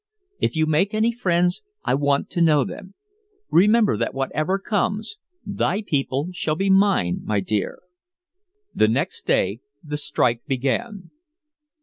If you make any friends I want to know them. Remember that whatever comes, thy people shall be mine, my dear." The next day the strike began.